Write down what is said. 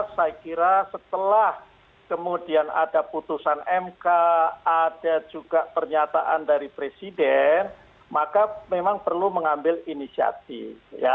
saya kira setelah kemudian ada putusan mk ada juga pernyataan dari presiden maka memang perlu mengambil inisiatif